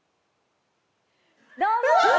どうもー！